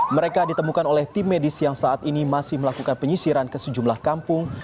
mereka ditemukan oleh tim medis yang saat ini masih melakukan penyisiran ke sejumlah kampung